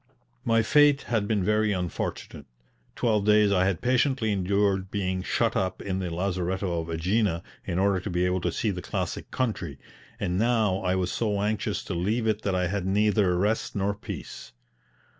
My fate had been very unfortunate; twelve days I had patiently endured being shut up in the lazaretto at AEgina, in order to be able to see the classic country, and now I was so anxious to leave it that I had neither rest nor peace.